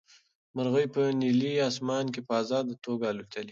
مرغۍ په نیلي اسمان کې په ازاده توګه الوتلې.